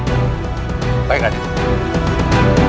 masih halau pada paman palangnya